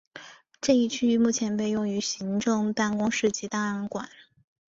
这一区域目前被用于行政办公室及档案馆。